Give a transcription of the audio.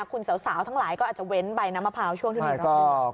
คุณสาวทั้งหลายก็อาจจะเว้นใบน้ำมะพร้าวช่วงที่มีน้ำดื่ม